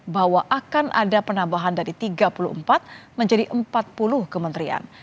bahwa akan ada penambahan dari tiga puluh empat menjadi empat puluh kementerian